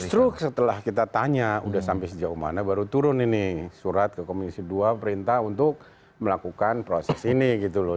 justru setelah kita tanya udah sampai sejauh mana baru turun ini surat ke komisi dua perintah untuk melakukan proses ini gitu loh